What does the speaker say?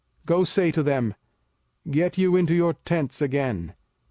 05:005:030 Go say to them, Get you into your tents again.